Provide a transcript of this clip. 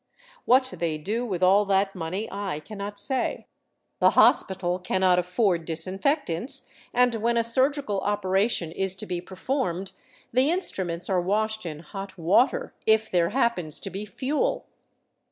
What they do with all that money I cannot say. The hospital cannot afford disinfectants, and when a surgical operation is to be performed the instruments are washed in hot water — if there happens to be fuel.